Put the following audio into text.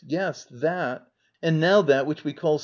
Yes, that. And now that_which we calI.